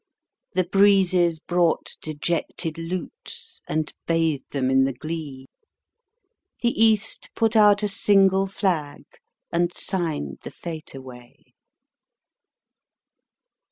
The breezes brought dejected lutes, And bathed them in the glee; The East put out a single flag, And signed the fete away.